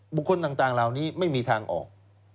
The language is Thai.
บุคคลต่างเหล่านี้ไม่มีทางออก